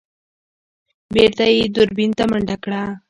بېرته يې دوربين ته منډه کړه.